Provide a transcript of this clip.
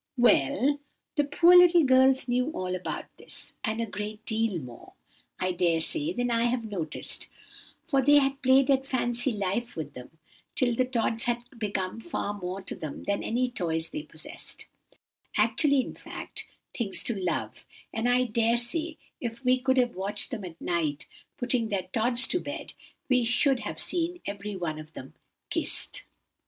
"Well, the poor little girls knew all about this, and a great deal more, I dare say, than I have noticed, for they had played at fancy life with them, till the Tods had become far more to them than any toys they possessed; actually, in fact, things to love; and I dare say if we could have watched them at night putting their Tods to bed, we should have seen every one of them kissed.